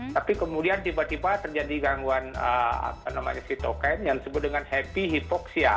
tapi kemudian tiba tiba terjadi gangguan apa namanya sitoken yang disebut dengan happy hypoxia